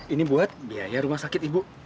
ini buat biaya rumah sakit ibu